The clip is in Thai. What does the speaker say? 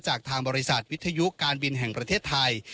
จากทางบริษัทวิทยุการบินแห่งประเทศไทย